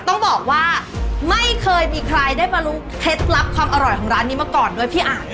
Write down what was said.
ต้องบอกว่าไม่เคยมีใครได้มารู้เคล็ดลับความอร่อยของร้านนี้มาก่อนด้วยพี่อัน